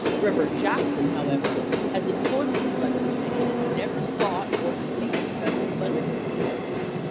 409 Reverend Jackson, 'however, has informed the Select Committee that he never sought or received Federal funding for PUSH.